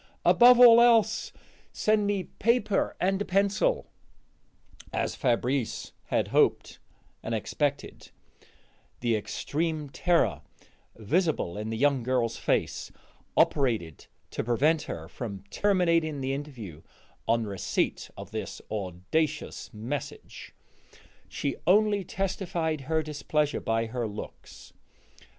Above all else, send me paper and a pencil." As Fabrice had hoped and expected, the extreme terror visible in the young girl's face operated to prevent her from terminating the interview on receipt of this audacious message; she only testified her displeasure by her looks.